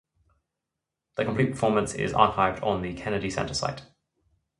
The complete performance is archived on the Kennedy Center site.